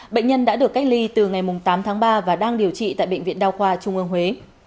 bệnh nhân đã được cách ly từ ngày tám tháng ba và đang điều trị tại bệnh viện đa khoa trung ương huế